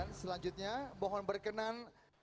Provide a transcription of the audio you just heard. dan selanjutnya mohon berkenan